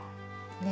ね。